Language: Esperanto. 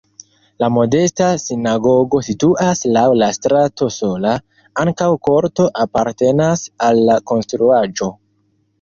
La modesta sinagogo situas laŭ la strato sola, ankaŭ korto apartenas al la konstruaĵo.